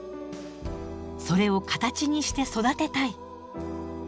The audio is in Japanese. それを形にして育てたい。